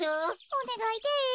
おねがいです。